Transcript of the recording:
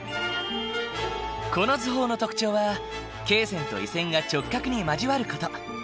この図法の特徴は経線と緯線が直角に交わる事。